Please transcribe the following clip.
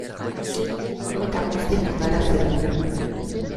Gu ume eta guzti joan gara zirkura.